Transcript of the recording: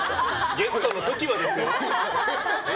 ゲストの時はですよ。